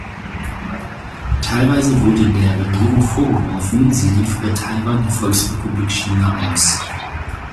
Teilweise wurde der Regierung vorgeworfen, sie liefere Taiwan der Volksrepublik China aus.